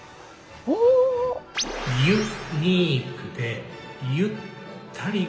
「ユ・ニークでゆ・ったり」。